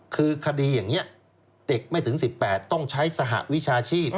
คือคดีอย่างนี้เด็กไม่ถึง๑๘ต้องใช้สหวิชาชีพ